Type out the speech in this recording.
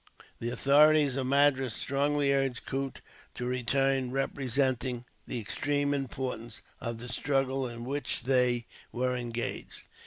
The authorities of Madras strongly urged Coote to return, representing the extreme importance of the struggle in which they were engaged.